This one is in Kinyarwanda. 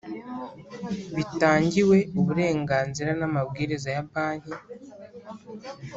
bitangiwe uburenganzira n amabwiriza ya Banki